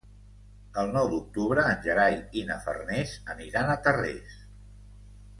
El nou d'octubre en Gerai i na Farners aniran a Tarrés.